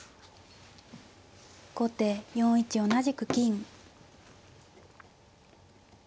後手４一同じく金。